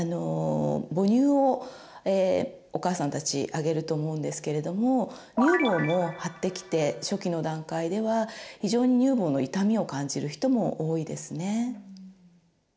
母乳をお母さんたちあげると思うんですけれども乳房も張ってきて初期の段階では非常に乳房の痛みを感じる人も多いですね。